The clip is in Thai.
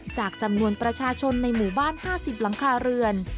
จากจำนวนประชาชนในหมู่บ้าน๕๐หลังคาเรือน